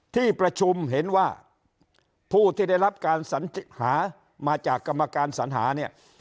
ที่ประชุมเห็นว่าผู้ที่ได้รับการสัญหามาจากกรรมการสัญหาเนี่ย